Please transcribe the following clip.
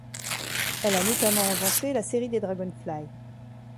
Elle a notamment inventé la série des Dragonfly.